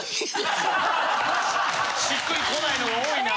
しっくりこないのが多いな。